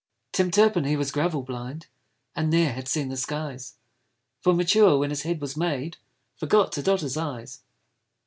Tim Turpin he was gravel blind, And ne'er had seen the skies: For Mature, when his head was made, Forgot to dot his eyes.